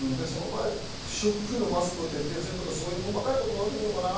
不織布のマスクを徹底するとか、そういう細かいことになってくるのかな？